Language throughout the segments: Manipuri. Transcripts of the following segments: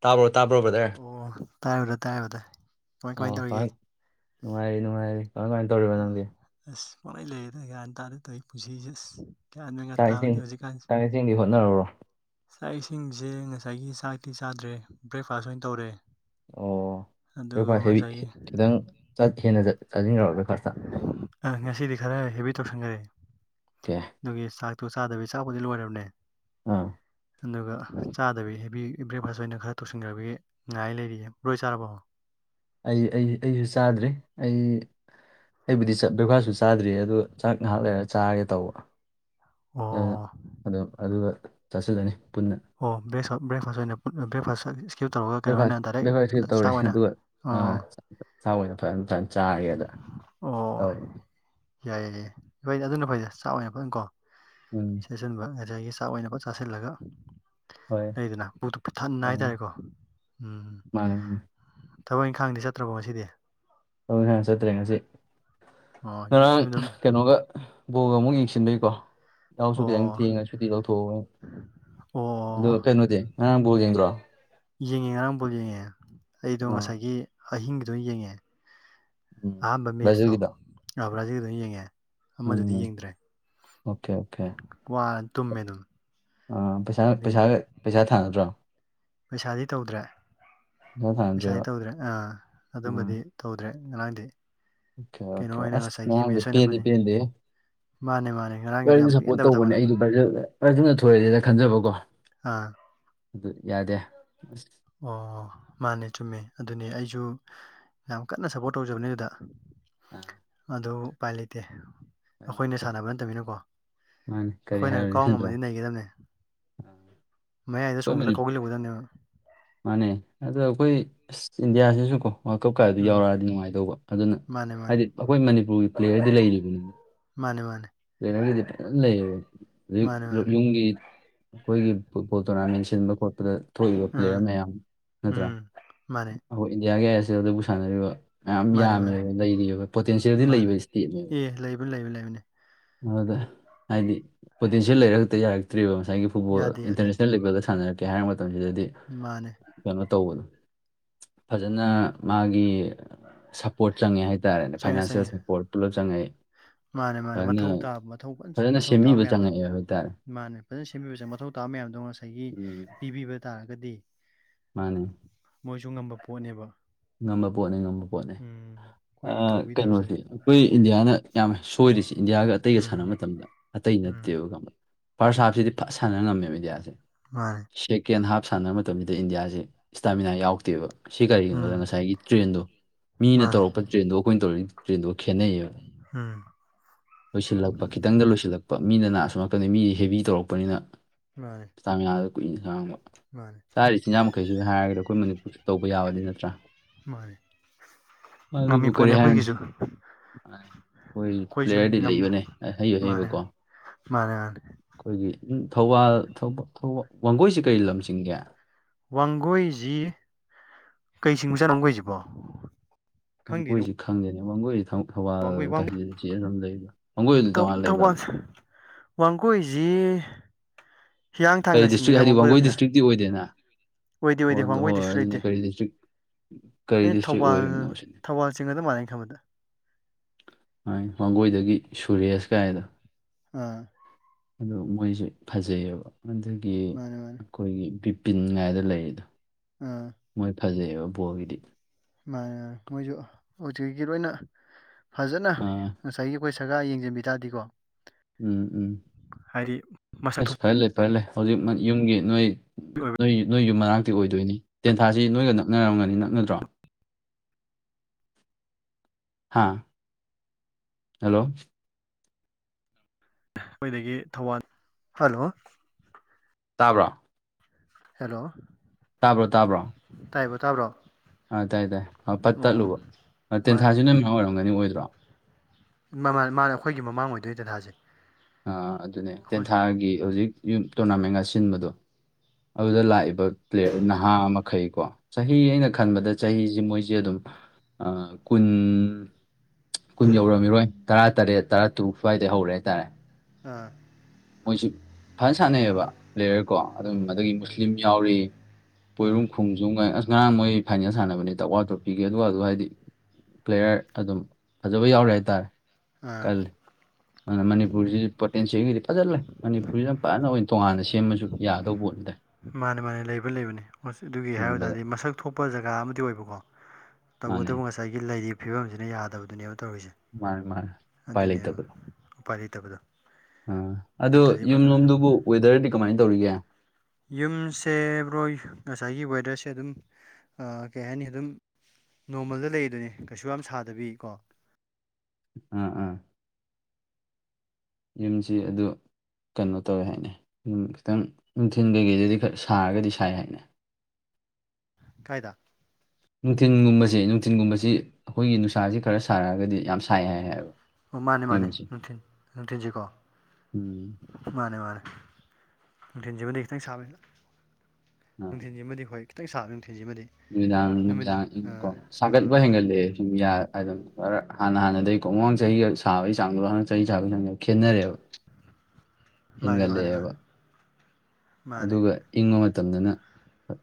ꯇꯥꯕ꯭ꯔꯣ ꯇꯥꯕ꯭ꯔꯣ ꯕ꯭ꯔꯥꯙꯔ ꯑꯣ ꯇꯥꯏꯕꯗ ꯇꯥꯏꯕꯗ ꯀꯃꯥꯏ ꯀꯃꯥꯏꯅ ꯑꯥ ꯇꯧꯔꯤꯒꯦ ꯇꯥꯏ ꯅꯨꯡꯉꯥꯏꯔꯤ ꯅꯨꯡꯉꯥꯏꯔꯤ ꯅꯪꯗꯤ ꯑꯣ ꯑꯁ ꯄꯪꯂꯩ ꯂꯩꯔꯦꯗ ꯒꯌꯥꯟ ꯇꯥꯗꯦ ꯇꯧ ꯑꯩ ꯄꯨꯁꯤꯁꯦ ꯑꯁ ꯒ꯭ꯌꯥꯟꯅꯒ ꯆꯥꯛ ꯏꯁꯤꯡ ꯇꯥꯕꯗꯤ ꯍꯧꯖꯤꯛꯀꯥꯟꯁꯤ ꯆꯥꯛ ꯏꯁꯤꯡꯗꯤ ꯍꯣꯠꯅꯔꯕ꯭ꯔꯣ ꯆꯥꯛ ꯏꯁꯤꯡꯁꯦ ꯉꯁꯥꯏꯒꯤ ꯆꯥꯛꯇꯤ ꯆꯥꯗ꯭ꯔꯦ ꯕ꯭ꯔꯦꯛꯐꯥꯁ ꯑꯣꯏꯅ ꯇꯧꯔꯦ ꯑꯣ ꯑꯗꯨꯒ ꯂ ꯍꯦꯕꯤ ꯉꯁꯥꯏꯒꯤ ꯈꯤꯇꯪ ꯍꯦꯟꯅ ꯆꯥꯁꯤꯟꯈ꯭ꯔꯣꯏ ꯑ ꯉꯁꯤꯗꯤ ꯈꯔ ꯍꯦꯕꯤ ꯇꯧꯁꯟꯈꯔꯦ ꯑꯣ ꯀꯦ ꯑꯗꯨꯒꯤ ꯆꯥꯛꯇꯣ ꯆꯥꯗꯕꯤꯒꯤ ꯆꯥꯛꯄꯨꯗꯤ ꯂꯣꯏꯔꯕꯅꯦ ꯑꯥ ꯑꯗꯨꯒ ꯆꯥꯗꯕꯤ ꯍꯦꯕꯤ ꯕ꯭ꯔꯦꯛꯐꯥꯁ ꯑꯣꯏꯅ ꯈꯔ ꯇꯧꯁꯤꯟꯈ꯭ꯔꯕꯒꯤ ꯉꯥꯏ ꯂꯩꯔꯤꯌꯦ ꯕꯔꯣ ꯍꯣꯢ ꯆꯥꯔꯕꯣ ꯑꯩ ꯑꯩ ꯑꯩꯁꯨ ꯆꯥꯗ꯭ꯔꯔꯤ ꯑꯩ ꯑꯩꯕꯨꯗꯤ ꯆꯠ ꯕ꯭ꯔꯦꯛꯐꯥꯁꯁꯨ ꯆꯥꯗ꯭ꯔꯤ ꯑ ꯑꯗꯨꯣ ꯆꯥꯛ ꯉꯥꯏꯍꯥꯛ ꯂꯩꯔꯒ ꯆꯥꯔꯒꯦ ꯇꯧꯕ ꯑꯣ ꯎꯝ ꯑꯗꯨꯒ ꯆꯥꯁꯤꯜꯂꯅꯤ ꯄꯨꯟꯅ ꯑꯣ ꯕꯔꯦꯛꯁ ꯕ꯭ꯔꯦꯛꯐꯥꯁ ꯑꯣꯏꯅ ꯕ꯭ꯔꯦꯛꯐꯥꯁ ꯁꯤꯞ ꯇꯧꯔꯒ ꯀꯩꯅꯣ ꯕ꯭ꯔꯦꯛꯐꯥꯁ ꯑꯣꯏꯅ ꯗꯥꯏꯔꯦꯛ ꯕ꯭ꯔꯦꯛꯐꯥꯁꯁꯨ ꯆꯥꯛ ꯇꯧꯔꯦ ꯑꯣꯏꯅ ꯑꯗꯨꯒ ꯑꯥ ꯑꯣ ꯆꯥꯛ ꯑꯣꯏꯅ ꯐꯖꯅ ꯐꯖꯅ ꯆꯥꯔꯤꯗ ꯇꯧ ꯌꯥꯏꯌꯦ ꯌꯥꯏꯌꯦ ꯍꯣꯏꯗ ꯑꯗꯨꯅ ꯐꯩꯁꯦ ꯆꯥꯛ ꯑꯣꯏꯅ ꯐꯅꯀꯣ ꯎꯝ ꯆꯁꯤꯟꯕ ꯉꯁꯥꯏꯒꯤ ꯆꯥꯛ ꯑꯣꯏꯅꯕ ꯆꯥꯁꯤꯜꯂꯒ ꯍꯣꯏ ꯂꯩꯗꯅ ꯄꯨꯠꯇꯨ ꯄꯊꯅ ꯃꯥꯅꯦ ꯍꯥꯏꯇꯥꯔꯦꯀꯣ ꯎꯝ ꯃꯥꯅꯦ ꯊꯕꯛ ꯏꯪꯈꯥꯡꯗꯤ ꯆꯠꯇ꯭ꯔꯕꯣ ꯉꯁꯤꯗꯤ ꯑꯗꯨ ꯍꯅ ꯆꯠꯇ꯭ꯔꯦ ꯉꯁꯤ ꯑꯣ ꯉꯔꯥꯡ ꯌꯨꯝꯗ ꯀꯩꯅꯣꯒ ꯕꯣꯜꯒ ꯑꯃꯨꯛ ꯌꯦꯡꯁꯤꯟꯕꯏꯀꯣ ꯏꯅꯥꯎꯁꯨ ꯈꯤꯇꯪ ꯑꯣ ꯊꯦꯡꯉ ꯁꯨꯇꯤ ꯂꯧꯊꯣꯛꯎ ꯑꯩꯅ ꯑꯗꯣ ꯑꯣ ꯀꯩꯅꯣꯗꯤ ꯉꯔꯥꯡ ꯕꯣꯜ ꯌꯦꯡꯗ꯭ꯔꯣ ꯌꯦꯡꯉꯦ ꯉꯔꯥꯡ ꯕꯣꯜ ꯌꯦꯡꯉꯦ ꯑꯩꯗꯣ ꯑꯥ ꯉꯁꯥꯏꯒꯤ ꯑꯍꯤꯡꯒꯤꯗꯣ ꯌꯦꯡꯉꯦ ꯎꯝ ꯑꯍꯥꯟꯕ ꯃꯦꯁꯇꯣ ꯕ꯭ꯔꯥꯖꯤꯜꯒꯤꯗꯣ ꯑꯕ꯭ꯔꯥꯖꯤ ꯑꯗꯨꯝ ꯌꯦꯡꯉꯦ ꯑꯃꯗꯨꯗꯤ ꯎꯝ ꯌꯦꯡꯗ꯭ꯔꯦ ꯑꯣꯀꯦ ꯑꯣꯀꯦ ꯋꯥꯔꯅ ꯇꯨꯝꯃꯦ ꯑꯗꯨꯝ ꯑꯥ ꯄꯩꯁꯥꯒ ꯑꯗꯒꯤ ꯄꯩꯁꯥ ꯄꯩꯁꯥ ꯊꯥꯅꯗ꯭ꯔꯣ ꯄꯩꯁꯥꯗꯤ ꯇꯧꯗ꯭ꯔꯦ ꯄꯩꯁꯥ ꯄꯩꯁꯥꯗꯤ ꯊꯥꯅꯗ꯭ꯔꯦꯕ ꯇꯧꯗ꯭ꯔꯦ ꯑꯥ ꯎꯝ ꯑꯗꯨꯝꯕꯗꯤ ꯇꯧꯗ꯭ꯔꯦ ꯉꯔꯥꯡꯗꯤ ꯑꯣꯀꯦ ꯀꯩꯅꯣ ꯑꯣꯀꯦ ꯑꯣꯏꯅ ꯑꯁ ꯉꯁꯥꯏꯒꯤ ꯉꯔꯥꯡꯗꯤ ꯃꯦꯠꯁ ꯑꯣꯏꯅ ꯄꯦꯟꯗꯤ ꯐꯅꯤ ꯄꯦꯗꯦꯍꯦ ꯃꯥꯅꯦ ꯃꯥꯅꯦ ꯐꯖꯅ ꯌꯥꯝ ꯁꯞꯄꯣꯔꯠ ꯄꯦꯟꯗꯕ ꯊꯕꯛꯅꯦ ꯇꯧꯕꯅꯦ ꯑꯩꯗ ꯐ꯭ꯔꯖꯅ ꯊꯣꯏꯔꯦꯅ ꯈꯟꯖꯕ ꯀꯣ ꯑꯥ ꯑꯗꯨ ꯌꯥꯗꯦ ꯑꯣ ꯃꯥꯅꯦ ꯆꯨꯝꯃꯦ ꯑꯗꯨꯅꯤ ꯑꯩꯁꯨ ꯌꯥꯝ ꯀꯟꯅ ꯁꯞꯄꯣꯔꯠ ꯇꯧꯖꯕꯅꯦ ꯑꯗꯨꯗ ꯑꯥ ꯑꯗꯨ ꯎꯄꯥꯏ ꯂꯩꯇꯦ ꯎꯄꯥꯏ ꯑꯈꯣꯏꯅ ꯂꯩꯇꯦ ꯁꯥꯟꯅꯕ ꯅꯠꯇꯃꯤꯅꯀꯣ ꯃꯥꯅꯤ ꯀꯔꯤ ꯑꯈꯣꯏꯅꯒ ꯍꯥꯏꯔꯨꯅꯤ ꯀꯥꯎ ꯅꯠꯇ꯭ꯔꯥ ꯉꯝꯃꯗꯤ ꯅꯩꯒꯗꯝꯅꯦ ꯑꯩꯈꯣꯏ ꯃꯌꯥꯏꯗ ꯆꯣꯡꯖꯤꯜꯂ ꯃꯅꯤ ꯀꯥꯎꯖꯤꯜꯂꯨꯒꯗꯝꯅꯦꯕ ꯃꯥꯅꯦ ꯑꯗꯣ ꯑꯈꯣꯏ ꯑꯁ ꯏꯟꯗꯤꯌꯥꯁꯤꯁꯨꯀꯣ ꯋꯥꯔꯜ ꯀꯞ ꯀꯥꯏꯗꯤ ꯎꯝ ꯌꯥꯎꯔꯛꯑꯗꯤ ꯅꯨꯡꯉꯥꯏꯗꯧꯕ ꯐꯖꯅ ꯃꯥꯅꯦ ꯃꯥꯅꯦ ꯑꯈꯣꯏ ꯃꯅꯤꯄꯨꯔꯒꯤ ꯄ꯭ꯂꯦꯌꯔꯗꯤ ꯂꯩꯔꯤꯕꯅꯤ ꯃꯥꯅꯦ ꯃꯥꯅꯦ ꯄ꯭ꯂꯦꯌꯔꯒꯗꯤ ꯐꯖꯟ ꯂꯩꯕ ꯍꯧꯖꯤꯛ ꯃꯥꯅꯦ ꯂꯣꯠ ꯃꯥꯅꯦ ꯌꯨꯡꯒꯤ ꯑꯩꯈꯣꯏꯒꯤ ꯐꯨꯠꯕꯣꯜ ꯇꯣꯔꯅꯥꯃꯦꯟ ꯁꯤꯟꯕ ꯈꯣꯠꯄꯗ ꯊꯣꯛꯏꯕ ꯎꯝ ꯄ꯭ꯂꯦꯌꯔ ꯃꯌꯥꯝ ꯅꯠꯇ꯭ꯔꯥ ꯎꯝ ꯃꯥꯅꯦ ꯑꯈꯣꯏ ꯏꯟꯗꯤꯌꯥꯒꯤ ꯑꯥꯏ ꯑꯦꯁ ꯑꯦꯜꯗꯕꯨ ꯁꯥꯟꯅꯔꯤꯕ ꯃꯌꯥꯝ ꯃꯥꯅꯦ ꯃꯥꯅꯦ ꯌꯥꯝꯃꯦꯕ ꯂꯩꯔꯤꯕ ꯄꯣꯇꯦꯟꯁꯤꯌꯦꯜꯗꯤ ꯂꯩꯕ ꯏꯁꯇꯦꯠꯅꯦꯕ ꯑꯗꯨ ꯂꯩꯕ ꯂꯩꯕꯅꯦ ꯑꯗꯨꯗ ꯍꯥꯏꯗꯤ ꯄꯣꯇꯦꯟꯁꯤꯌꯦꯜ ꯂꯩꯔ ꯈꯛꯇ ꯌꯥꯔꯛꯇ꯭ꯔꯤꯕ ꯉꯁꯥꯏꯒꯤ ꯐꯨꯠꯕꯣꯜ ꯌꯥꯗꯦ ꯌꯥꯗꯦ ꯏꯟꯇꯔꯅꯦꯁꯅꯦꯜ ꯂꯦꯕꯦꯜꯗ ꯁꯥꯟꯅꯔꯛꯀꯦ ꯍꯥꯏꯔ ꯃꯇꯝꯁꯤꯗꯗꯤ ꯃꯥꯅꯦ ꯀꯩꯅꯣ ꯇꯧꯕꯗꯣ ꯐꯖꯅ ꯃꯥꯒꯤ ꯁꯞ ꯄꯣꯔꯠ ꯆꯪꯉꯦ ꯍꯥꯏꯇꯥꯔꯦꯅꯦ ꯆꯪꯉꯦ ꯐꯥꯏꯅꯥꯟꯁꯦꯜ ꯆꯪꯉꯦ ꯁꯄꯣꯔꯠ ꯄꯨꯂꯞ ꯆꯪꯉꯦ ꯃꯥꯅꯦ ꯃꯥꯅꯦ ꯃꯊꯧ ꯇꯥꯕ ꯃꯊꯧ ꯐꯟ ꯐꯖꯅ ꯃꯊꯧ ꯇꯥꯕ ꯁꯦꯝꯕꯤꯕ ꯃꯌꯥꯝꯗꯣ ꯆꯪꯉꯛꯑꯦ ꯍꯥꯏꯇꯥꯔꯦ ꯃꯥꯅꯦ ꯐꯖꯅ ꯁꯦꯝꯕꯤꯕꯁꯦ ꯃꯊꯧ ꯇꯥꯕ ꯃꯌꯥꯝꯗꯣ ꯉꯁꯥꯏꯒꯤ ꯎꯝ ꯄꯤꯕꯤꯕ ꯇꯥꯔꯒꯗꯤ ꯃꯥꯅꯦ ꯃꯣꯏꯁꯨ ꯉꯝꯕ ꯄꯣꯠꯅꯦꯕ ꯉꯝꯕ ꯄꯣꯠꯅꯦ ꯉꯝꯕ ꯄꯣꯠꯅꯦ ꯎꯝ ꯑꯩꯈꯣꯏꯒꯤ ꯑꯥ ꯀꯩꯅꯣꯁꯦ ꯇꯧꯕꯤꯗꯕꯖꯅꯤ ꯑꯩꯈꯣꯏ ꯏꯟꯗꯤꯌꯥꯅ ꯌꯥꯝ ꯁꯣꯏꯔꯤꯁꯤ ꯏꯟꯗꯤꯌꯥꯒ ꯑꯇꯩꯒ ꯎꯝ ꯁꯥꯟꯅꯕ ꯃꯇꯝꯗ ꯑꯇꯩ ꯎꯝ ꯅꯠꯇꯦꯕ ꯈꯪꯕ ꯐꯥꯔꯁ ꯍꯥꯞ ꯁꯤꯗꯤ ꯐ ꯁꯥꯟꯅ ꯉꯝꯃꯦꯕ ꯏꯟꯗꯤꯌꯥꯁꯦ ꯃꯥꯅꯦ ꯁꯦꯀꯦꯟ ꯍꯥꯞ ꯁꯥꯟꯅꯕ ꯃꯇꯝꯁꯤꯗ ꯏꯟꯗꯤꯌꯥꯁꯦ ꯏꯁꯇꯥꯃꯤꯅꯥ ꯌꯥꯎꯗꯦꯕ ꯁꯤ ꯀꯔꯤꯒꯤꯅꯣꯗ ꯉꯁꯥꯏ ꯎꯝ ꯒꯤ ꯇ꯭ꯔꯦꯟꯗꯣ ꯃꯤꯅ ꯃꯥꯅꯤ ꯇꯧꯔꯛꯄ ꯇ꯭ꯔꯦꯟꯗꯨꯒ ꯑꯩꯈꯣꯏꯅ ꯇꯧꯔꯛꯏ ꯇ꯭ꯔꯦꯟꯗꯨꯒ ꯈꯦꯠꯅꯩꯌꯦꯕ ꯎꯝ ꯂꯣꯏꯁꯤꯜꯂꯛꯄ ꯈꯤꯇꯪꯗ ꯂꯣꯏꯁꯤꯜꯂꯛꯄ ꯃꯤꯅ ꯅꯥ ꯑꯁꯣꯝ ꯅꯥꯀꯟꯗꯩ ꯃꯤꯗꯤ ꯍꯦꯕꯤ ꯇꯧꯔꯛꯄꯅꯤꯅ ꯃꯥꯅꯦ ꯏꯁꯇꯥꯃꯤꯅꯥꯗꯣ ꯀꯨꯏꯅ ꯈꯥꯡꯕ ꯃꯥꯅꯦ ꯆꯥꯔꯤ ꯆꯤꯟꯖꯥꯛ ꯃꯈꯩꯁꯤꯒ ꯍꯥꯏꯔꯒꯗꯤ ꯑꯩꯈꯣꯏ ꯃꯅꯤꯄꯨꯔꯁꯨ ꯇꯧꯕ ꯌꯥꯕꯗꯤ ꯅꯠꯇ꯭ꯔꯥ ꯃꯥꯅꯦ ꯑꯗꯨꯕꯨ ꯉꯝꯃꯤ ꯀꯔꯤ ꯄꯣꯠꯅꯦ ꯍꯥꯏꯔꯨꯅꯤ ꯑꯩꯈꯣꯏꯒꯤꯁꯨ ꯃꯥꯅꯤ ꯈꯣꯏꯖꯨ ꯑꯩꯈꯣꯏꯁꯨ ꯄ꯭ꯂꯦꯌꯔꯗꯤ ꯂꯩꯕꯅꯦ ꯉꯝꯕ ꯑꯍꯩ ꯃꯥꯅꯦ ꯑꯍꯩꯕꯀꯣ ꯃꯥꯅꯦ ꯃꯥꯅꯦ ꯑꯩꯈꯣꯏꯒꯤ ꯎꯝ ꯊꯧꯕꯥꯜ ꯊꯧꯕꯥ ꯊꯧꯕꯥ ꯋꯥꯡꯒꯣꯏꯁꯤ ꯀꯔꯤ ꯂꯝ ꯆꯤꯡꯒꯦ ꯋꯥꯡꯒꯣꯏꯖꯤ ꯀꯩ ꯆꯤꯡꯕꯖꯥꯠꯅꯣ ꯋꯥꯡꯒꯣꯏꯖꯤꯕꯣ ꯋꯥꯡꯒꯣꯏꯁꯤ ꯈꯪꯗꯦꯅꯦ ꯋꯥꯡꯒꯣꯏꯁꯤ ꯊꯧ ꯊꯧꯕꯥꯜ ꯋꯥꯡꯒꯣꯏ ꯋꯥꯡ ꯀꯟꯁꯇꯤꯇ꯭ꯋꯨꯟꯁꯤ ꯑꯁꯣꯝ ꯂꯩꯕ꯭ꯔꯥ ꯋꯥꯡꯒꯣꯏꯕꯒꯤ ꯇꯣꯉꯥꯟꯅ ꯂꯩꯕ꯭ꯔꯥ ꯑꯗꯨꯝ ꯋꯥꯡꯒꯣꯏꯖꯤ ꯀꯔꯤ ꯍꯤꯌꯥꯡꯊꯥꯡꯒ ꯗꯤꯁꯇ꯭ꯔꯤꯛ ꯆꯤꯡꯉꯤꯖꯥꯠꯂꯥ ꯍꯥꯏꯗꯤ ꯋꯥꯡꯒꯣꯏ ꯋꯥꯡꯒꯣꯏꯔꯣꯝꯁꯦ ꯗꯤꯁꯇ꯭ꯔꯤꯛꯇꯤ ꯑꯣꯏꯗꯦꯅ ꯑꯣꯏꯗꯦ ꯑꯣ ꯑꯣꯏꯗꯦ ꯑꯗꯨ ꯍꯣꯏ ꯋꯥꯡꯒꯣꯏꯗꯁꯨ ꯑꯗꯨꯅꯦ ꯂꯩꯇꯦ ꯀꯔꯤ ꯗꯤꯁꯇ꯭ꯔꯤꯛ ꯀꯔꯤ ꯑꯩꯅ ꯗꯤꯁꯇ꯭ꯔꯤꯛ ꯊꯧꯕꯥꯜ ꯑꯣꯏꯔꯤꯕꯅꯣ ꯁꯤꯅꯤ ꯊꯧꯕꯥꯜ ꯆꯤꯡꯒꯗ ꯃꯥꯜꯂꯦ ꯑꯩ ꯈꯟꯕꯗ ꯃꯥꯥꯏ ꯋꯥꯡꯒꯣꯏꯗꯒꯤ ꯁꯨꯔꯦꯁ ꯀꯥꯏꯗꯣ ꯑꯥ ꯑꯗꯨ ꯃꯣꯏꯁꯦ ꯐꯖꯩꯑꯕ ꯑꯗꯒꯤ ꯃꯥꯅꯦ ꯃꯥꯅꯦ ꯑꯩꯈꯣꯏꯒꯤ ꯕꯤꯄꯤꯟ ꯉꯥꯏꯗ ꯂꯩꯔꯤꯗꯣ ꯑꯥ ꯃꯣꯏ ꯐꯖꯩꯑꯕ ꯕꯣꯜꯒꯤꯗꯤ ꯃꯥꯅꯦ ꯃꯥꯅꯦ ꯃꯣꯏꯖꯨ ꯍꯧꯖꯤꯛꯀꯤ ꯂꯣꯏꯅ ꯐꯖꯅ ꯑꯥ ꯉꯁꯥ ꯁꯥꯏꯒꯤ ꯑꯩꯈꯣꯏ ꯁꯔꯀꯥꯔ ꯌꯦꯡꯖꯟꯕꯤ ꯇꯥꯔꯗꯤꯀꯣ ꯎꯝ ꯎꯝ ꯍꯥꯏꯗꯤ ꯃꯁꯛ ꯑꯦꯁ ꯐꯖ ꯂꯩ ꯇꯣꯏꯂꯦ ꯍꯧꯖꯤꯛ ꯌꯨꯝꯒꯤ ꯅꯣꯏ ꯊꯣꯛꯄꯒꯤ ꯑꯣꯏꯕ ꯅꯣꯏ ꯅꯣꯏ ꯌꯨꯝ ꯃꯅꯥꯛ ꯇꯤ ꯑꯣꯏꯗꯣꯏꯅꯤ ꯇꯦꯟꯊꯥꯁꯤ ꯅꯣꯏꯒ ꯅꯛꯅꯔꯝꯒꯅꯤ ꯅꯛꯅꯗ꯭ꯔꯣ ꯍꯥꯥ ꯍꯜꯂꯣ ꯑꯩꯈꯣꯏꯗꯒꯤ ꯊꯧꯕꯥꯜ ꯍꯜꯂꯣ ꯇꯥꯕ꯭ꯔꯣ ꯍꯦꯜꯂꯣ ꯇꯥꯕ꯭ꯔꯣ ꯇꯥꯕ꯭ꯔꯣ ꯇꯥꯏꯕ ꯇꯥꯕ꯭ꯔꯣ ꯑꯥ ꯇꯥꯏ ꯇꯥꯏ ꯑ ꯄꯠ ꯑꯣ ꯇꯠꯂꯨꯕ ꯇꯦꯟꯊꯥꯁꯤ ꯅ ꯃꯥꯅ ꯃꯌꯥꯝ ꯑꯣꯏꯔꯝꯒꯅꯤ ꯑꯣꯏꯗ꯭ꯔꯣ ꯃꯥ ꯑꯩꯈꯣꯏꯒꯤ ꯃꯃꯥꯡ ꯑꯣꯏꯗꯣꯏꯗ ꯊꯥꯁꯦ ꯑ ꯑꯗꯨꯅꯦ ꯇꯦꯟꯊꯥꯒꯤ ꯍꯧꯖꯤꯛ ꯌꯨꯝ ꯇꯣꯔꯅꯥꯃꯦꯟꯒ ꯁꯤꯟꯕꯗꯣ ꯑꯗꯨꯗ ꯂꯥꯛꯏꯕ ꯄ꯭ꯂꯦꯠ ꯅꯍꯥ ꯃꯈꯩꯀꯣ ꯆꯍꯤ ꯑꯩꯅ ꯈꯟꯕꯗ ꯆꯍꯤꯁꯦ ꯃꯣꯏꯁꯦ ꯑꯗꯨꯝ ꯀꯨꯟ ꯀꯨꯟ ꯌꯧꯔꯝꯃꯤꯔꯣꯏ ꯇꯔꯥ ꯇꯔꯦꯠ ꯇꯔꯥ ꯇꯨꯛ ꯁ꯭ꯋꯥꯏꯗ ꯍꯧꯔꯦ ꯍꯥꯏꯇꯥꯔꯦ ꯑꯥ ꯃꯣꯏꯁꯤ ꯐꯖꯅ ꯁꯥꯟꯅꯩꯑꯕ ꯄ꯭ꯂꯦꯌꯔ ꯀꯣ ꯑꯗꯨꯝ ꯑꯗꯒꯤ ꯃꯨꯁꯂꯤꯝ ꯌꯥꯎꯔꯤ ꯑꯥ ꯄꯣꯏꯔꯨꯝ ꯈꯣꯡꯖꯨꯝ ꯑꯁ ꯉꯔꯥꯡ ꯃꯣꯏ ꯐꯥꯏꯅꯦꯜ ꯁꯥꯟꯅꯕꯅꯦ ꯇꯋꯥ ꯇ꯭ꯔꯣꯞ ꯄꯤꯒꯦ ꯑꯗꯨꯒ ꯑꯗꯨ ꯍꯥꯏꯗꯤ ꯄ꯭ꯂꯦꯌꯔ ꯑꯗꯨꯝ ꯐꯖꯕ ꯌꯥꯎꯔꯦ ꯍꯥꯏꯇꯥꯔꯦ ꯎꯥ ꯀꯜꯂꯤ ꯑꯗꯨꯅ ꯃꯅꯤꯄꯨꯔꯁꯤ ꯄꯣꯇꯦꯟꯁꯤꯦꯜꯒꯤꯗꯤ ꯐꯖ ꯂꯩꯦ ꯃꯅꯤꯄꯨꯔꯁꯤ ꯌꯥꯝ ꯐꯥꯅ ꯑꯣꯏꯅ ꯇꯣꯉꯥꯟꯅ ꯁꯦꯝꯕꯁꯨ ꯌꯥꯒꯗꯧꯕ ꯄꯣꯠ ꯑꯗꯨꯗꯥꯥꯏ ꯃꯥꯅꯦ ꯃꯥꯅꯦ ꯂꯩꯕ ꯂꯩꯕꯅꯤ ꯑꯗꯨꯒꯤ ꯍꯥꯏꯕ ꯌꯦꯡꯕꯗ ꯇꯥꯔꯗꯤ ꯃꯁꯛ ꯊꯣꯛꯄ ꯖꯒꯥ ꯑꯃꯗꯤ ꯑꯣꯏꯕꯀꯣ ꯃꯥꯅꯦ ꯇꯧꯕꯇꯕꯨ ꯉꯁꯥꯏꯒꯤ ꯂꯩꯔꯤꯕ ꯐꯤꯕꯝꯁꯤꯅ ꯌꯥꯗꯕꯗꯨꯅꯦꯕ ꯇꯧꯔꯤꯁꯦ ꯃꯥꯅꯦ ꯃꯥꯅꯦ ꯎꯄꯥꯏ ꯑꯗꯨꯅꯦꯕ ꯂꯩꯇꯕꯗ ꯎꯄꯥꯏ ꯂꯩꯇꯕꯗꯣ ꯑꯥ ꯑꯗꯨꯣ ꯅꯠꯇ꯭ꯔꯗꯤ ꯐꯖꯅ ꯌꯨꯝꯂꯣꯝꯗꯨꯕꯨ ꯋꯦꯗꯔꯗꯤ ꯀꯃꯥꯏꯅ ꯇꯧꯔꯤꯒꯦ ꯌꯨꯝꯁꯦ ꯕ꯭ꯔꯣꯏ ꯉꯁꯥꯏꯒꯤ ꯋꯦꯗꯔꯁꯦ ꯑꯗꯨꯝ ꯀꯩ ꯍꯥꯏꯅꯤ ꯑꯗꯨꯝ ꯅꯣꯔꯃꯜꯗ ꯂꯩꯗꯨꯅꯦ ꯀꯩꯁꯨ ꯌꯥꯝ ꯁꯥꯗꯕꯤꯀꯣ ꯑꯥ ꯑꯥ ꯌꯨꯝꯁꯤ ꯑꯗꯨ ꯀꯩꯅꯣ ꯇꯧꯋꯦ ꯍꯥꯏꯅꯨꯝ ꯈꯤꯇꯪ ꯅꯨꯡꯊꯤꯟ ꯀꯩꯒꯤꯩꯗꯗꯤ ꯈꯔ ꯁꯥꯔꯒꯗꯤ ꯁꯥꯏ ꯍꯥꯏꯅ ꯀꯥꯏꯗ ꯅꯨꯡꯊꯤꯟꯒꯨꯝꯕꯁꯦ ꯅꯨꯡꯊꯤꯟꯒꯨꯝꯕꯁꯤ ꯑꯩꯈꯣꯏꯒꯤ ꯅꯨꯡꯁꯥꯁꯤ ꯈꯔ ꯁꯥꯔꯛꯑꯒꯗꯤ ꯌꯥꯝ ꯁꯥꯏ ꯍꯥꯏ ꯍꯥꯏꯕ ꯑꯣ ꯃꯥꯅꯦ ꯃꯥꯅꯦ ꯌꯨꯝꯁꯤ ꯅꯨꯡꯊꯤꯟ ꯅꯨꯡꯊꯤꯟꯁꯤꯀꯣ ꯎꯝ ꯃꯥꯅꯦ ꯃꯥꯅꯦ ꯊꯤꯟꯁꯤꯕꯗꯤꯈꯤꯇꯪ ꯁꯕꯩꯂ ꯑꯥ ꯅꯨꯡꯊꯤꯟꯁꯤꯃꯗꯤ ꯍꯣꯏ ꯈꯤꯇꯪ ꯁꯥꯕ ꯅꯨꯡꯊꯤꯟꯁꯤꯃꯗꯤ ꯅꯨꯃꯤꯗꯥꯡ ꯅꯨꯃꯤꯠꯅ ꯅꯨꯅꯨꯡꯗꯥꯡ ꯀꯣ ꯑꯥ ꯑꯥ ꯁꯥꯒꯠꯄ ꯑꯥ ꯍꯦꯟꯒꯠꯂꯑꯦ ꯁꯨꯝ ꯌꯥ ꯈꯔ ꯍꯥꯟꯅ ꯍꯥꯟꯅꯗꯒꯤꯩ ꯀꯣꯡꯃꯥꯡ ꯆꯍꯤꯒ ꯁꯥꯕꯒꯤ ꯆꯥꯡꯗꯣ ꯍꯅꯛ ꯆꯍꯤ ꯁꯥꯕꯒꯤ ꯆꯥꯡꯗꯣ ꯈꯦꯠꯅꯔꯦꯕ ꯃꯥꯅꯦ ꯃꯥꯅꯦ ꯃꯥꯅꯦ ꯍꯦꯟꯒꯠꯂꯛꯑꯦꯕ ꯃꯥꯅꯦ ꯑꯗꯨꯒ ꯏꯪꯕ ꯃꯇꯝꯗꯅ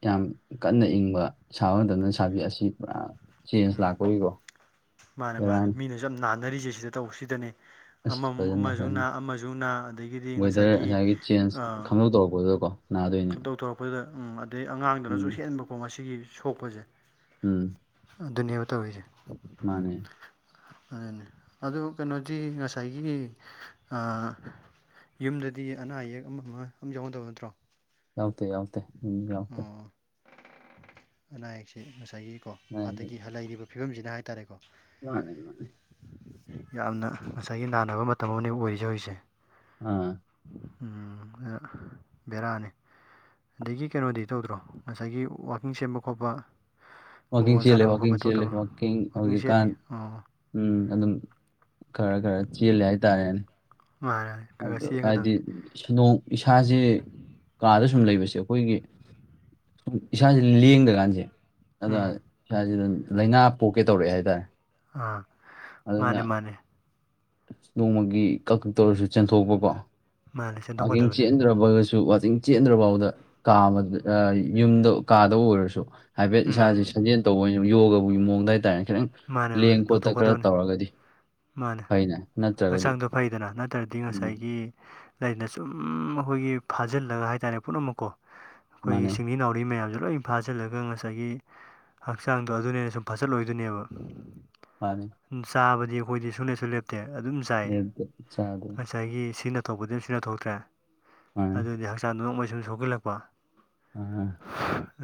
ꯌꯥꯝ ꯀꯟꯅ ꯏꯪꯕ ꯁꯥꯕ ꯃꯇꯝꯗꯅ ꯁꯥꯕꯤ ꯑꯁꯤ ꯄꯨꯔꯥ ꯆꯦꯟꯖ ꯎꯝ ꯂꯥꯛꯀꯣꯔꯤꯀꯣ ꯃꯥꯅꯦ ꯃꯥꯅꯦ ꯃꯤꯅꯁꯨ ꯌꯥꯝ ꯅꯥꯟꯅꯔꯤꯁꯦ ꯁꯤꯗ ꯇꯧ ꯁꯤꯗꯅꯦ ꯑꯁ ꯐꯖꯅ ꯑꯃꯁꯨ ꯅꯥ ꯐꯖꯅ ꯑꯃꯁꯨ ꯅꯥ ꯑꯗꯒꯤꯗꯤ ꯉꯁꯥꯏꯒꯤ ꯇꯣꯀꯣ ꯀꯇꯧꯊꯧꯣꯔꯛꯄꯗꯨꯗ ꯎ ꯑꯗꯩ ꯎꯝ ꯑꯉꯥꯡꯗꯨꯅꯁꯨ ꯍꯦꯟꯕꯀꯣ ꯃꯁꯤꯒꯤ ꯁꯣꯛꯄꯁꯦ ꯎꯝ ꯑꯗꯨꯅꯦꯕ ꯇꯧꯔꯤꯁꯦ ꯃꯥꯅꯦ ꯑꯗꯨꯅꯤ ꯑꯗꯨ ꯀꯩꯅꯣꯗꯤ ꯉꯁꯥꯏꯒꯤ ꯌꯨꯝꯗꯗꯤ ꯑꯅꯥ ꯑꯌꯦꯛ ꯑꯃ ꯑꯃ ꯑ ꯌꯥꯎꯍꯟꯗꯕ ꯅꯠꯇ꯭ꯔꯣ ꯌꯥꯥꯎ ꯇ ꯌꯥꯦ ꯑꯣ ꯑꯅꯥ ꯑꯌꯦꯛꯁꯦ ꯉꯁꯥꯏꯒꯤꯀꯣ ꯃꯥꯅꯦ ꯑꯗꯒꯤ ꯂꯩꯔꯤꯕ ꯐꯤꯕꯝꯁꯤꯗ ꯍꯥꯏꯇꯥꯔꯦꯀꯣ ꯃꯥꯅꯦ ꯃꯥꯅꯦ ꯌꯥꯝꯅ ꯉꯁꯥꯏꯒꯤ ꯅꯥꯅꯕ ꯃꯇꯝ ꯑꯃ ꯑꯣꯏꯔꯤꯁꯦ ꯍꯧꯖꯤꯛꯁꯦ ꯑꯥ ꯎꯝ ꯕꯦꯔꯥꯅꯤ ꯑꯗꯒꯤ ꯀꯩꯅꯣꯗꯤ ꯇꯧꯗ꯭ꯔꯣ ꯉꯁꯥꯏꯒꯤ ꯋꯥꯛꯀꯤꯡ ꯁꯦꯝꯕ ꯈꯣꯠꯄ ꯋꯥꯛꯀꯤꯡ ꯐꯨꯠꯕꯣꯜ ꯆꯦꯜꯂꯦ ꯁꯥꯟꯅꯕ ꯈꯣꯠꯄ ꯋꯥꯛꯀꯤꯡ ꯆꯦꯜꯂꯦ ꯇꯧꯗꯕ꯭ꯔꯣ ꯋꯥꯛꯀꯤꯡ ꯍꯧꯖꯤꯛꯀꯥꯟ ꯆꯦꯜꯂꯤ ꯑꯣ ꯎꯝ ꯑꯗꯨꯝ ꯈꯔ ꯈꯔ ꯆꯦꯜꯂꯦ ꯍꯥꯏꯇꯥꯔꯦꯅꯦ ꯍ ꯑ ꯍꯥꯏꯗꯤ ꯅꯣꯡ ꯏꯁꯥꯥꯁꯦ ꯀꯥꯗ ꯁꯨꯝ ꯂꯩꯕꯁꯦ ꯑꯩꯈꯣꯏꯒꯤ ꯁꯨꯝ ꯏꯁꯥꯥꯁꯦ ꯂꯦꯡꯗꯀꯥꯟꯁꯦ ꯑꯗ ꯎꯝ ꯁ꯭ꯋꯥꯏꯁꯤꯗ ꯂꯥꯏꯅꯥ ꯄꯣꯛꯀꯦ ꯇꯧꯔꯛꯑꯦ ꯍꯥꯏꯇꯥꯔꯦ ꯑꯥ ꯑꯗꯨꯅ ꯃꯥꯅꯦ ꯃꯥꯅꯦ ꯅꯣꯡꯃꯒꯤ ꯀꯛꯇꯧꯔꯁꯨ ꯆꯦꯟꯊꯣꯛꯄꯀꯣ ꯃꯥꯅꯦ ꯑꯡ ꯆꯦꯟꯊꯣꯛꯀꯗꯕꯅꯦ ꯆꯦꯟꯗ꯭ꯔꯕ ꯑꯣꯏꯒꯁꯨ ꯋꯥꯆꯤꯡ ꯆꯦꯟꯗ꯭ꯔꯐꯥꯎꯗ ꯀꯥ ꯌꯨꯝꯗ ꯀꯥꯗ ꯑꯣꯏꯔꯁꯨ ꯍꯥꯏꯐꯦꯠ ꯏꯁꯥꯁꯤ ꯎꯝ ꯁꯥꯖꯦꯜ ꯇꯧꯕ ꯑꯣꯏꯅ ꯌꯣꯒꯕꯨꯒꯤ ꯃꯑꯣꯡꯗ ꯍꯥꯏꯇꯥꯔꯦ ꯈꯤꯇꯪ ꯃꯥꯅꯦ ꯂꯦꯡ ꯃꯥꯅꯦ ꯈꯣꯠꯇ ꯈꯔ ꯇꯧꯊꯣꯛꯀꯗꯕꯅꯦ ꯇꯧꯔꯒꯗꯤ ꯃꯥꯅꯦ ꯐꯩꯅꯦ ꯅꯠꯇ꯭ꯔꯒꯗꯤ ꯍꯛꯆꯥꯡꯗꯣ ꯐꯩꯗꯅ ꯅꯠꯇ꯭ꯔꯗꯤ ꯎꯝ ꯉꯁꯥꯏꯒꯤ ꯂꯩꯅ ꯁꯨꯝ ꯑꯩꯈꯣꯏꯒꯤ ꯐꯥꯖꯤꯜꯂꯒ ꯍꯥꯏꯇꯥꯔꯦ ꯄꯨꯝꯅꯃꯛꯀꯣ ꯃꯥꯅꯦ ꯑꯩꯈꯣꯏꯒꯤ ꯁꯤꯡꯂꯤ ꯅꯥꯎꯔꯤ ꯃꯌꯥꯝꯁꯨ ꯂꯣꯏ ꯐꯥꯖꯤꯜꯂꯒ ꯉꯁꯥꯏꯒꯤ ꯍꯛꯆꯥꯡꯗꯣ ꯑꯗꯨꯅꯦꯅ ꯁꯨꯝ ꯐꯥꯖꯜꯂꯣꯏꯗꯣꯏꯅꯦꯕ ꯃꯥꯅꯤ ꯆꯥꯕꯗꯤ ꯑꯩꯈꯣꯏꯗꯤ ꯁꯨꯡꯅꯩꯁꯨ ꯂꯦꯞꯇꯦ ꯑꯗꯨꯝ ꯆꯥꯏ ꯆꯥꯗ ꯉꯁꯥꯏꯒꯤ ꯁꯤꯅ ꯇꯧꯕꯗꯤ ꯑꯝꯨ ꯂꯧ ꯊꯣꯛꯇ꯭ꯔꯦ ꯃꯥꯅꯦ ꯑꯗꯨꯗꯤ ꯍꯛꯆꯥꯡ ꯅꯣꯡꯃꯩ ꯁꯨꯝ ꯁꯣꯛꯆꯜꯂꯛꯄ ꯑ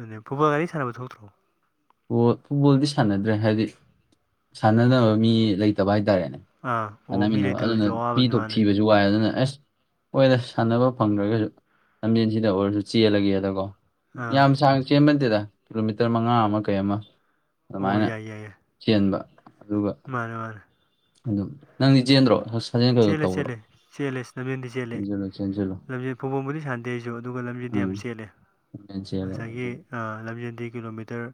ꯑꯗꯨ ꯐꯨꯕꯜ ꯒꯥꯔꯤ ꯁꯥꯟꯅꯕ ꯊꯣꯛꯇ꯭ꯔꯣ ꯑꯣ ꯐꯨꯠꯕꯣꯜꯗꯤ ꯁꯥꯟꯅꯗ꯭ꯔꯦ ꯍꯥꯏꯕꯗꯤ ꯁꯥꯟꯅꯅꯕ ꯃꯤ ꯂꯩꯇꯕ ꯍꯥꯏꯇꯥꯔꯦꯅꯦ ꯑꯥ ꯑꯣ ꯃꯤ ꯁꯥꯟꯅꯃꯤꯟꯅꯕ ꯑꯗꯨꯅ ꯂꯩꯇꯕꯁꯨ ꯑꯋꯥꯕꯅꯤ ꯄꯤꯗꯣꯛ ꯃꯥꯅꯦ ꯊꯤꯕꯁꯨ ꯋꯥꯏ ꯑꯗꯨꯅ ꯑꯦꯁ ꯍꯣꯏꯗ ꯁꯥꯟꯅꯕ ꯐꯪꯗ꯭ꯔꯒꯁꯨ ꯂꯝꯖꯦꯟꯁꯤꯗ ꯑꯣꯏꯔꯁꯨ ꯆꯦꯜꯂꯒꯦꯗꯀꯣ ꯑꯥ ꯌꯥꯝ ꯁꯥꯡꯅ ꯆꯦꯟꯕꯟꯗꯦꯗ ꯀꯤꯂꯣꯃꯤꯇꯔ ꯃꯉꯥ ꯑꯃ ꯀꯩ ꯑꯃ ꯑꯣ ꯑꯗꯨꯃꯥꯏꯅ ꯌꯥꯏ ꯌꯥꯏ ꯌꯥꯏ ꯆꯦꯟꯕ ꯑꯗꯨꯒ ꯃꯥꯅꯦ ꯃꯔ ꯑꯗꯨꯝ ꯅꯪꯗꯤ ꯆꯦꯟꯗ꯭ꯔꯣ ꯑ ꯆꯦꯜꯂꯦ ꯆꯦꯜꯂꯦ ꯆꯦꯜꯂꯦ ꯂꯝꯖꯦꯟꯗꯤ ꯆꯦꯜꯂꯦ ꯆꯦꯟꯁꯤꯜꯂꯨ ꯆꯦꯟꯁꯤꯜꯂꯨ ꯂꯝꯖꯦꯟ ꯐꯣꯡꯐꯝꯕꯨꯗꯤ ꯁꯥꯟꯗꯦ ꯑꯗꯩꯁꯨ ꯑꯗꯨꯒ ꯂꯝꯁꯤꯗꯤ ꯎꯝ ꯌꯥꯝ ꯆꯦꯜꯠꯂꯦ ꯂꯝꯖꯦꯟ ꯆꯦꯜꯂꯦ ꯉꯁꯥꯏꯒꯤ ꯑꯗꯨꯅꯤ ꯂꯝꯖꯦꯟꯗꯤ ꯀꯤꯂꯣꯃꯤꯇꯔ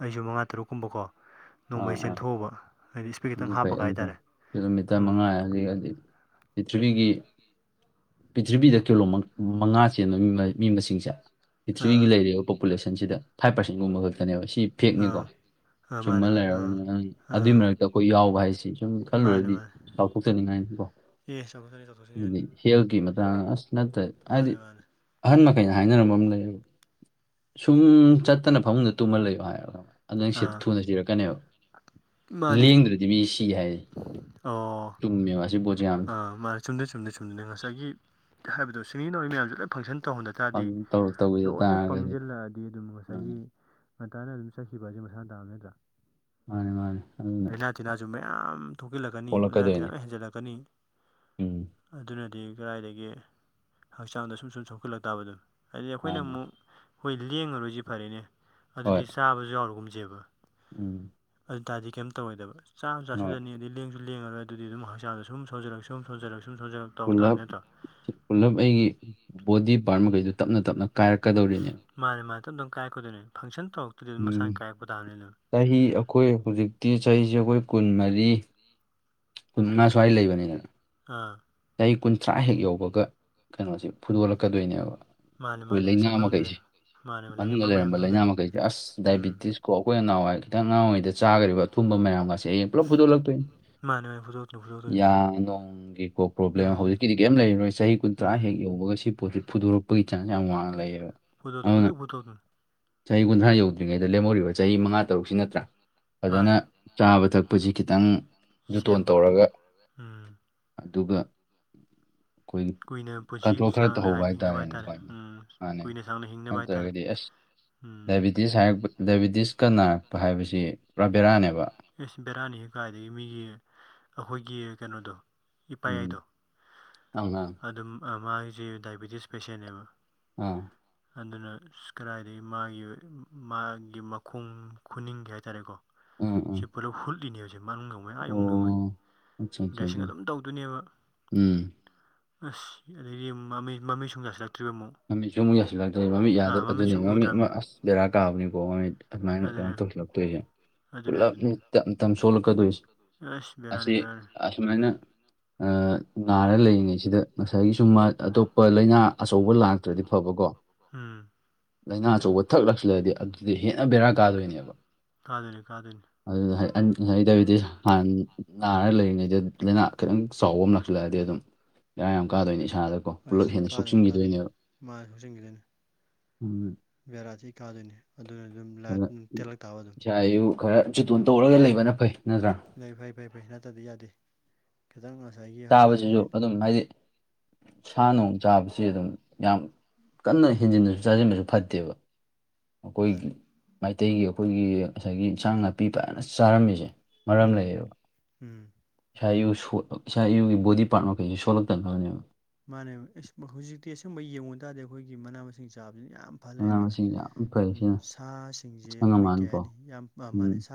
ꯑꯩꯁꯨ ꯃꯉꯥ ꯇꯔꯨꯛꯀꯨꯝꯕꯀꯣ ꯑꯥ ꯅꯣꯡꯃꯩ ꯑꯥ ꯆꯦꯟꯊꯣꯛꯑꯕ ꯍꯥꯏꯗꯤ ꯏꯁꯄꯤꯛ ꯑꯗꯨ ꯈꯤꯇꯪ ꯐꯩ ꯍꯥꯞꯄꯒ ꯑꯗꯨ ꯐꯩ ꯍꯥꯏꯇꯥꯔꯦ ꯀꯤꯂꯣꯃꯤꯇꯔ ꯎꯝ ꯃꯉꯥ ꯍꯧꯖꯤꯛ ꯍꯧꯖꯤꯛ ꯄ꯭ꯔꯤꯊꯤꯕꯤꯒꯤ ꯄ꯭ꯔꯤꯊꯤꯔꯤꯕꯕꯤꯗ ꯀꯤꯂꯣ ꯃꯉꯥ ꯆꯦꯟꯕ ꯃꯤ ꯃꯁꯤꯡꯁꯦ ꯄ꯭ꯔꯤꯊ꯭ꯤꯕꯤꯒꯤ ꯑꯥ ꯂꯩꯔꯤꯕ ꯄꯣꯄꯨꯂꯦꯁꯟꯁꯤꯗ ꯐꯥꯏꯚ ꯄꯥꯔꯁꯦꯟꯒꯨꯝꯕ ꯈꯛꯇꯅꯦꯕ ꯁꯤ ꯑꯥ ꯐꯦꯛꯅꯤꯀꯣ ꯑꯥ ꯁꯨꯝꯕ ꯃꯥꯅꯦ ꯃꯥꯅꯦ ꯑꯥ ꯂꯩꯔꯒꯅꯤ ꯑꯗꯨꯏ ꯑꯥ ꯃꯔꯛꯇ ꯑꯩꯈꯣꯏ ꯌꯥꯎꯕ ꯍꯥꯏꯁꯤ ꯁꯨꯝ ꯃꯥꯅꯦ ꯈꯜꯂꯨꯔꯗꯤ ꯃꯥꯅꯦ ꯆꯥꯎꯊꯣꯛꯆꯅꯤꯡꯉꯥꯏꯅꯤ ꯀꯣ ꯑꯦ ꯆꯠꯊꯣꯛꯁꯅꯤ ꯆꯠꯊꯣꯛꯁꯤꯅꯤ ꯌꯥꯅꯤ ꯍꯦꯒꯈꯤ ꯃ ꯑꯁ ꯅꯠꯇ ꯍꯥꯏꯗꯤ ꯃꯥꯅꯦ ꯃꯥꯅꯦ ꯑꯍꯟ ꯃꯈꯩꯅ ꯍꯥꯏꯅꯔꯝꯕ ꯑꯃ ꯂꯩꯌꯦꯕ ꯁꯨꯝ ꯆꯠꯇꯅ ꯐꯃꯨꯡꯗ ꯇꯨꯝꯃ ꯂꯩꯌꯣ ꯍꯥꯏ ꯅꯪ ꯑꯥ ꯊꯨꯅ ꯊꯤꯔꯛꯀꯅꯦꯕ ꯃꯥꯅꯦ ꯂꯦꯡꯗ꯭ꯔꯗꯤ ꯃꯤ ꯁꯤ ꯍꯥꯏ ꯇꯨꯝꯃꯦꯕ ꯑꯁꯤ ꯄꯣꯠꯁꯦ ꯌꯥꯝꯗ ꯃꯥ ꯆꯨꯝꯗꯦ ꯆꯨꯝꯗꯦ ꯆꯨꯝꯗꯗ ꯉꯁꯥꯏꯒꯤ ꯍꯥꯏꯕꯗꯣ ꯁꯤꯡꯅꯤꯅꯕꯧꯏ ꯃꯌꯥꯝꯦ ꯂꯞ ꯐꯪꯁꯟ ꯇꯧꯍꯟꯗ ꯇꯥꯔꯗꯤ ꯇꯧ ꯇꯧꯕꯤꯗ ꯂꯣꯏꯅ ꯇꯥꯔꯒꯗꯤ ꯄꯪꯁꯤꯜꯂꯛꯑꯗꯤ ꯑꯗꯨꯝ ꯃꯥꯅꯤ ꯉꯁꯥꯏꯒꯤ ꯉꯟꯇꯥꯅ ꯑꯗꯨꯝ ꯆꯠꯈꯤꯕꯁꯦ ꯃꯁꯥ ꯇꯥꯕ ꯅꯠꯇ꯭ꯔꯥ ꯃꯥꯅꯤ ꯃꯥꯅꯤ ꯑꯗꯨꯅ ꯂꯥꯏꯅꯥ ꯇꯤꯟꯅꯥꯁꯨ ꯃꯌꯥꯝ ꯊꯣꯛꯤꯜꯂꯛꯀꯅꯤ ꯂꯥꯏꯅꯥ ꯇꯤꯟꯅꯥ ꯄꯣꯛꯂꯛꯀꯗꯣꯏꯅꯤ ꯂ ꯍꯦꯟꯖꯤꯜꯂꯛꯀꯅꯤ ꯎꯝ ꯑꯗꯨꯅꯗꯤ ꯀꯗꯥꯏꯗꯒꯤ ꯍꯛꯆꯥꯡꯗ ꯁꯨꯝ ꯁꯨꯝ ꯁꯣꯛꯈꯠꯂꯛ ꯇꯥꯕ ꯑꯗꯨꯣ ꯍꯥꯏꯗꯤ ꯑꯩꯈꯣꯏꯅ ꯃꯥꯅꯤ ꯑꯃꯨꯛ ꯍꯣꯏ ꯂꯦꯡꯉꯔꯣꯏꯁꯤ ꯐꯔꯦꯅꯦ ꯍꯣꯏ ꯑꯗꯨꯗꯤ ꯆꯥꯕꯁꯨ ꯌꯥꯎꯔꯨꯒꯨꯝꯁꯦꯕ ꯎꯝ ꯑꯗꯨ ꯇꯥꯔꯗꯤ ꯀꯩꯝꯇ ꯇꯧꯔꯣꯏꯗꯕ ꯆꯥꯝ ꯍꯣꯏ ꯆꯥꯁꯤꯜꯂꯅꯤ ꯑ ꯑꯗꯨꯗꯤ ꯂꯦꯡꯁꯨ ꯂꯦꯡꯉꯔꯣꯏ ꯑꯗꯨꯗꯤ ꯑꯗꯨꯝ ꯍꯛꯆꯥꯡꯗ ꯁꯨꯝ ꯊꯧꯖꯔꯛ ꯁꯨꯝ ꯊꯣꯟꯖꯂꯛ ꯁꯨꯝ ꯊꯖꯛ ꯄꯨꯂꯞ ꯄꯨꯂꯞ ꯑꯩꯒꯤ ꯕꯣꯗꯤ ꯄꯥꯔꯠ ꯃꯈꯩꯗꯨ ꯇꯞꯅ ꯇꯞꯅ ꯀꯥꯏꯔꯛꯀꯗꯧꯔꯤꯅꯦꯕ ꯃꯥꯅꯦ ꯃꯥ ꯇꯞ ꯇꯞ ꯀꯥꯏꯔꯛꯀꯗꯣꯏꯅꯦ ꯐꯪꯁꯟ ꯇꯧꯔꯛꯇꯗꯤ ꯑꯗꯨꯝ ꯎꯝ ꯃꯁꯥꯅ ꯀꯥꯏꯔꯛꯄ ꯇꯥꯝꯅꯤ ꯑꯗꯨꯝ ꯆꯍꯤ ꯑꯩꯈꯣꯏ ꯍꯧꯖꯤꯛꯇꯤ ꯆꯍꯤꯁꯦ ꯑꯩꯈꯣꯏ ꯀꯨꯟ ꯃꯔꯤ ꯀꯨꯟꯃꯉꯥ ꯁ꯭ꯋꯥꯏ ꯂꯩꯕꯅꯤꯗꯅ ꯑ ꯆꯍꯤ ꯀꯨꯟꯊ꯭ꯔꯥ ꯍꯦꯛ ꯌꯧꯕꯒ ꯀꯩꯅꯣꯁꯦ ꯐꯨꯗꯣꯛꯂꯛꯀꯗꯣꯏꯅꯦꯕ ꯃꯥꯅꯦ ꯑꯩꯈꯣꯏ ꯃꯥꯅꯦ ꯂꯩꯅꯥ ꯉꯁꯥꯏ ꯃꯅꯨꯡꯗ ꯂꯩ ꯃꯈꯩꯁꯦ ꯃꯥꯅꯦ ꯃꯅꯨꯡꯗ ꯃꯌꯥꯝ ꯂꯩꯔꯝꯕ ꯃꯅꯨꯡꯗ ꯂꯩꯥꯏꯅꯥ ꯃꯈꯩꯁꯦ ꯑꯁ ꯎꯝ ꯗꯥꯏꯕꯤꯇꯤꯁꯀꯣ ꯑꯩꯈꯣꯏꯅ ꯅꯥꯍꯥꯋꯥꯏ ꯈꯤꯇꯪ ꯑꯉꯥꯡ ꯑꯣꯏꯔꯤꯉꯩꯗ ꯆꯥꯈꯔꯤꯕ ꯑꯊꯨꯝꯕ ꯃꯌꯥꯝꯒꯁꯦ ꯍꯌꯦꯡ ꯄꯨꯂꯞ ꯐꯨꯗꯣꯛꯂꯛꯇꯣꯏꯅꯤ ꯃꯥꯅꯦ ꯃ ꯐꯨꯗꯣꯛꯇꯤ ꯐꯨꯗꯣꯔꯛꯅꯤ ꯌꯥ ꯅꯣꯡꯒꯤ ꯀꯣꯛ ꯄ꯭ꯔꯣꯕ꯭ꯂꯦꯝ ꯍꯧꯖꯤꯛꯀꯤꯗꯤ ꯀꯔꯤꯝ ꯂꯩꯔꯣꯏ ꯆꯍꯤ ꯀꯨꯟꯊ꯭ꯔꯥ ꯎꯝ ꯍꯦꯛ ꯌꯧꯕꯒ ꯁꯤ ꯄꯣꯠꯁꯤ ꯐꯨꯗꯣꯔꯛꯄ ꯄꯩ ꯆꯥꯁ ꯌꯥꯝ ꯋꯥꯡꯅ ꯂꯩꯌꯦꯕ ꯐꯨꯗꯣꯛꯇꯣꯏ ꯑꯗꯨꯅ ꯐꯨꯗꯣꯛ ꯐꯨꯗꯣꯛꯇꯣꯏꯅꯤ ꯆꯍꯤ ꯀꯨꯟꯊ꯭ꯔꯥ ꯌꯧꯗ꯭ꯔꯤꯉꯩꯗ ꯂꯦꯝꯍꯧꯔꯤꯕ ꯆꯍꯤ ꯃꯉꯥ ꯇꯔꯨꯛꯁꯤ ꯅꯠꯇ꯭ꯔꯥ ꯐꯖꯅ ꯃꯥꯅꯦ ꯆꯥꯕ ꯊꯛꯄꯁꯤ ꯈꯤꯇꯪ ꯖꯨꯇꯣꯟ ꯁꯦꯝꯕ ꯇꯧꯔꯒ ꯎꯝ ꯑꯗꯨꯒ ꯎꯝ ꯑꯩꯈꯣꯏꯒꯤ ꯀꯨꯏꯅ ꯄꯨꯟꯁꯤ ꯀꯟꯇ꯭ꯔꯣꯜ ꯈꯔ ꯁꯥꯡꯅ ꯇꯧꯍꯧꯕ ꯍꯥꯏ ꯍꯤꯡꯅꯕ ꯍꯥꯏꯇꯥꯔꯦꯅꯦ ꯍꯥꯏꯇꯥꯔꯦ ꯈꯥꯏꯅ ꯎꯝ ꯍꯥꯟꯅꯩ ꯀꯨꯏꯅ ꯁꯥꯡꯅ ꯍꯤꯡꯅꯕ ꯍꯥꯏꯇꯥꯔꯦ ꯑꯗꯨꯇꯥꯔꯒꯗꯤ ꯑꯦꯁ ꯎꯝ ꯗꯥꯏꯕꯤꯇꯤꯁ ꯍꯥꯏꯔꯛꯄ ꯗꯥꯏꯕꯤꯇꯤꯁꯀ ꯅꯥꯔꯛꯄ ꯍꯥꯏꯕꯁꯤ ꯄꯨꯔꯥꯕꯦꯔꯥꯅꯦꯕ ꯑꯦꯁ ꯕꯦꯔꯥꯅꯤ ꯀꯥꯏꯗꯒꯤ ꯃꯤꯒꯤ ꯑꯩꯈꯣꯏꯒꯤ ꯀꯩꯅꯣꯗꯣ ꯎꯝ ꯏꯄꯥꯥꯌꯥꯏꯗꯣ ꯑꯉꯥꯡ ꯑꯗꯨꯝ ꯃꯥꯁꯦ ꯗꯥꯏꯕꯤꯇꯤꯁ ꯄꯦꯁꯦꯟꯅꯦꯕ ꯑꯥ ꯑꯗꯨꯅ ꯀꯗꯥꯏꯗꯒꯤ ꯃꯥꯒꯤ ꯃꯥꯒꯤ ꯃꯈꯣꯡ ꯈꯨꯅꯤꯡꯒꯤ ꯍꯥꯏꯇꯥꯔꯦꯀꯣ ꯎꯝ ꯎꯝ ꯁꯤ ꯄꯨꯂꯞ ꯍꯨꯠꯂꯤꯅꯦ ꯍꯧꯁꯦ ꯃꯥꯅꯅꯨꯡꯉ ꯑ ꯑꯣ ꯌꯧꯅ ꯑꯠꯆꯥ ꯑꯠꯆꯥ ꯗ꯭ꯔꯦꯁꯤꯡ ꯑꯠꯆꯥ ꯑꯗꯨꯝ ꯇꯧꯗꯣꯏꯅꯦꯕ ꯎꯝ ꯑꯁ ꯑꯗꯩꯗꯤ ꯃꯃꯤ ꯃꯃꯤꯠꯁꯨ ꯌꯥꯁꯤꯜꯂꯛꯇ꯭ꯔꯤꯕ ꯑꯃꯨꯛ ꯃꯃꯤꯠꯁꯨ ꯑꯃꯨꯛ ꯌꯥꯁꯤꯜꯂꯛꯇ꯭ꯔꯦ ꯃꯃꯤꯠ ꯑꯥ ꯌꯥꯗꯕ ꯑꯗꯨꯅꯤ ꯃꯃꯤꯠꯁꯨ ꯃꯃꯤꯠ ꯑꯃ ꯎꯗ꯭ꯔꯕꯅꯦ ꯑꯁ ꯕꯦꯔꯥ ꯀꯥꯕꯅꯤꯀꯣ ꯃꯃꯤꯠ ꯑꯗꯨꯃꯥꯏꯅ ꯀꯩꯅꯣ ꯑꯗꯨꯅꯦ ꯇꯧꯁꯤꯜꯂꯛꯇꯣꯏꯁꯦ ꯑꯗꯨꯅꯦ ꯄꯨꯂꯞ ꯑꯗꯨꯅꯦ ꯊꯣꯛꯀꯗꯣꯏꯁꯦ ꯑꯁ ꯑꯁꯤ ꯕꯦꯔꯥꯅꯤ ꯕꯦꯔꯥꯅꯤ ꯑꯁꯨꯃꯥꯏꯅ ꯅꯥꯔ ꯂꯩꯔꯤꯉꯩꯁꯤꯗ ꯉꯁꯥꯏꯒꯤ ꯁꯨꯝ ꯑꯇꯣꯞꯄ ꯂꯥꯏꯅꯥ ꯑꯆꯧꯕ ꯂꯥꯛꯇ꯭ꯔꯗꯤ ꯐꯕꯀꯣ ꯎꯝ ꯂꯥꯏꯅꯥ ꯑꯆꯧꯕ ꯊꯛꯂꯛꯁꯤꯂꯗꯤ ꯑꯗꯨꯗ ꯍꯦꯟꯅ ꯕꯦꯔꯥ ꯀꯥꯗꯣꯏꯅꯦꯕ ꯀꯥꯗꯣꯏꯅꯤ ꯀꯥꯗꯣꯏꯅꯤ ꯑꯗꯨꯗ ꯗꯥꯏꯕꯤꯇꯤꯁ ꯍꯥꯟꯅ ꯅꯥꯔꯒ ꯂꯩꯔꯤꯉꯩꯗ ꯂꯥꯏꯅꯥ ꯈꯤꯇꯪ ꯆꯥꯎꯕ ꯑꯃ ꯂꯛꯁꯤꯜꯂꯛꯑꯗꯤ ꯑꯗꯨꯝ ꯏꯔꯥꯡ ꯌꯥꯝ ꯀꯥꯗꯣꯏꯅꯤ ꯏꯁꯥꯗ ꯀꯣ ꯄꯨꯂꯞ ꯍꯦꯟꯅ ꯁꯣꯛꯆꯟꯈꯤꯗꯣꯏꯅꯦꯕ ꯃꯥ ꯍꯧꯖꯤꯟꯈꯤꯗꯅꯤ ꯀꯥꯗꯣꯏꯅꯤ ꯑꯗꯨꯅ ꯑꯗꯨꯝ ꯎꯝ ꯂꯥꯏꯠ ꯇꯦꯜꯂꯛ ꯇꯥꯕ ꯑꯗꯨꯝ ꯏꯁꯥ ꯏꯎ ꯈꯔ ꯖꯨꯇꯣꯟ ꯇꯧꯔꯒ ꯂꯩꯕꯅ ꯐꯩ ꯅꯇꯔ ꯂꯩ ꯐꯩ ꯐꯩ ꯐꯩ ꯅꯠꯇꯗꯤ ꯌꯥꯗꯦ ꯈꯤꯇꯪ ꯉꯁꯥꯏꯒꯤ ꯆꯥꯕꯁꯤꯁꯨ ꯍꯛꯆꯥꯡꯁꯦ ꯑꯗꯨꯝ ꯍꯥꯏꯗꯤ ꯁꯥ ꯅꯨꯡ ꯆꯥꯕꯁꯤ ꯑꯗꯨꯝ ꯌꯥꯝ ꯀꯟꯅ ꯍꯦꯟꯖꯤꯟꯅꯁꯨ ꯆꯥꯁꯤꯟꯕꯁꯨ ꯐꯠꯇꯦꯕ ꯃꯥꯅꯦ ꯑꯩꯈꯣꯏꯒꯤ ꯃꯩꯇꯩꯒꯤ ꯑꯩꯈꯣꯏꯒꯤ ꯉꯁꯥꯏꯒꯤ ꯏꯟꯁꯥꯡ ꯅꯥꯄꯤ ꯐꯖꯅ ꯆꯥꯔꯝꯃꯤꯁꯦ ꯃꯔꯝ ꯎꯝ ꯂꯩꯌꯦꯕ ꯎꯝ ꯏꯁꯥ ꯏꯎ ꯁꯣꯠꯂ ꯏꯁꯥ ꯏꯎꯒꯤ ꯕꯣꯗꯤ ꯄꯥꯔꯠ ꯃꯈꯩꯁꯦ ꯁꯣꯛꯂꯛꯇꯅꯅꯕꯅꯦꯕ ꯃꯥꯅꯦ ꯍꯧꯖꯤꯛꯇꯤ ꯑꯁꯤꯒꯨꯝꯕ ꯌꯦꯡꯉꯨ ꯇꯥꯔꯗꯤ ꯑꯩꯈꯣꯏꯒꯤ ꯃꯅꯥ ꯃꯁꯤꯡ ꯆꯥꯕꯁꯤꯅ ꯌꯥꯝ ꯐ ꯃꯅꯥ ꯂꯩꯔꯝꯃꯦꯗ ꯃꯁꯤꯡ ꯌꯥꯝ ꯐꯩ ꯎ ꯁꯤꯅ ꯁꯥꯁꯤꯡꯁꯦ ꯑꯁꯪ ꯀꯣꯏ ꯀꯌꯥ ꯑꯃꯥꯟꯀꯣ ꯍꯥꯏꯅꯤ ꯌꯥꯝ ꯎꯝ ꯃꯥꯥꯟꯅꯩ ꯁꯥ